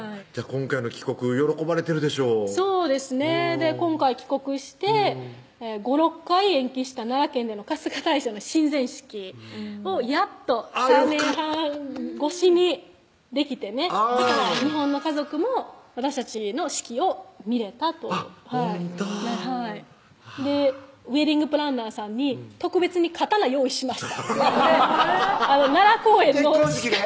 今回の帰国喜ばれてるでしょそうですね今回帰国して５６回延期した奈良県での春日大社の神前式をやっと３年半越しにできてねだから日本の家族も私たちの式を見れたというほんとはいウエディングプランナーさんに「特別に刀用意しました」ってアハハハハッ結婚式で？